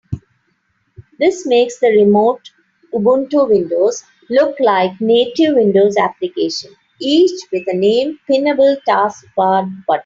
This makes the remote Ubuntu windows look like native Windows applications, each with a named pinnable taskbar button.